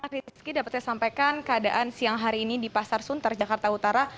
rizky dapat saya sampaikan keadaan siang hari ini di pasar sunter jakarta utara